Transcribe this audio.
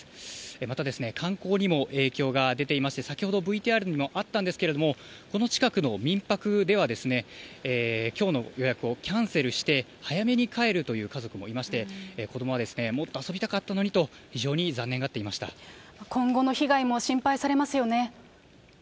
またですね、観光にも影響が出ていまして、先ほどＶＴＲにもあったんですけれども、この近くの民泊では、きょうの予約をキャンセルして、早めに帰るという家族もいまして、子どもはもっと遊びたかったのにと、今後の被害も心配されますよ